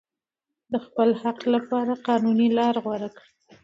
د خپل حق لپاره قانوني لاره غوره کړئ.